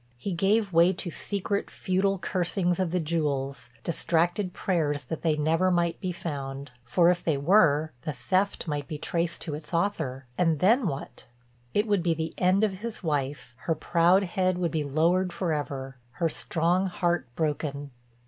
He gave way to secret, futile cursings of the jewels, distracted prayers that they never might be found. For if they were, the theft might be traced to its author—and then what? It would be the end of his wife, her proud head would be lowered forever, her strong heart broken.